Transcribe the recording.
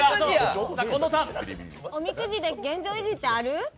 おみくじで現状維持ってある？